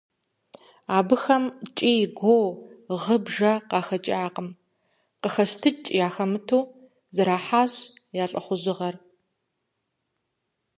Абыхэм кӀий-гуо, гъы-бжэ къахэкӀакъым – къыхэщтыкӀ яхэмыту, зэрахьащ я лӀыхъужьыгъэр.